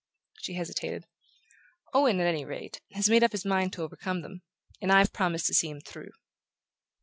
She hesitated. "Owen, at any rate, has made up his mind to overcome them; and I've promised to see him through."